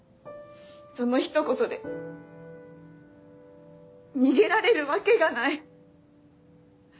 その一言で逃げられるわけがない。